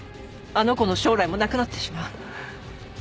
あの子の将来もなくなってしまう。